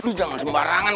lo jangan sembarangan